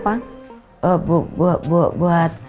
buat buat buat buat